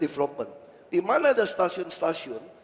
development di mana ada stasiun stasiun